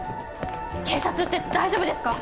警察って大丈夫ですか？